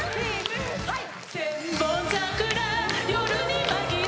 はい！